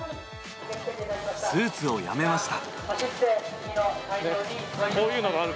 スーツをやめました。